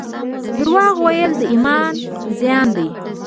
درواغ ویل د ایمان زیان دی